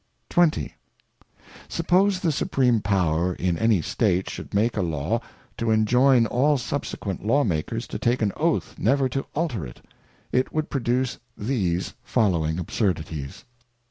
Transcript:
XX. Suppose the Supreme Power in any State should make a Law, to enjoyn all subsequent Law makers to take an Oath never to alter it, it would produce these following Absurdities.